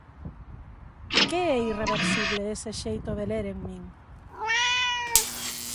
Que é irreversible ese xeito de ler en min?